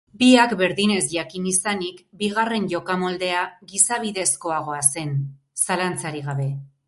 Biak berdin ezjakin izanik, bigarren jokamoldea gizabidezkoagoa zen, zalantzarik gabe.